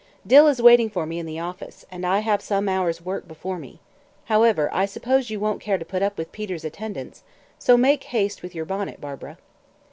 "Dill is waiting for me in the office, and I have some hours' work before me. However, I suppose you won't care to put up with Peter's attendance, so make haste with your bonnet, Barbara."